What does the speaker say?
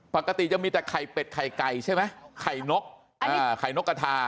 ปกติจะมีแต่ไข่เป็ดไข่ไก่ใช่ไหมไข่นกไข่นกกระทา